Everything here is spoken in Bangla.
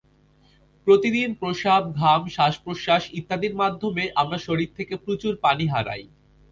প্রতিদিন প্রস্রাব, ঘাম, শ্বাস-প্রশ্বাস ইত্যাদির মাধ্যমে আমরা শরীর থেকে প্রচুর পানি হারাই।